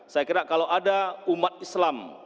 saya kira kalau ada umat islam